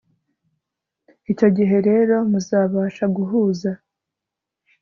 Icyo gihe rero muzabasha guhuza